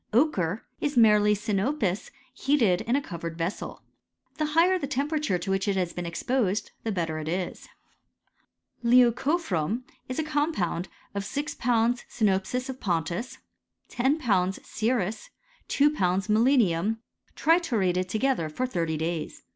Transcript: Ochre is merely sinopis heated in a covered vessel. The higher the temperature to which it has been ex posed the better it is. Leucophorum is a compound of ' 6 lbs. sinopis of Pontus, C 10 lbs. siris, ';. 2 lbs. melinum, < triturated together for thirty days.